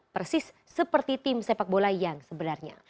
persis seperti tim sepak bola yang sebenarnya